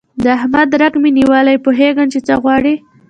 د احمد رګ مې نیولی، پوهېږ چې څه غواړي.